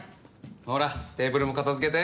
ほらテーブルも片付けて。